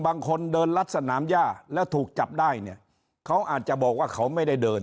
บางคนเดินรัดสนามย่าแล้วถูกจับได้เนี่ยเขาอาจจะบอกว่าเขาไม่ได้เดิน